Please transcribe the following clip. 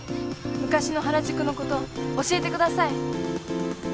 昔の原宿のこと教えてください。